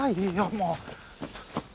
もう！